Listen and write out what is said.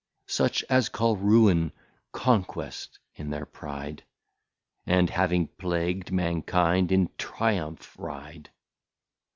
Such as call Ruine, Conquest, in their Pride, And having plagu'd Mankind, in Triumph ride.